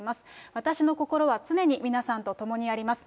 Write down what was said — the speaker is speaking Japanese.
私の心は常に皆さんと共にあります。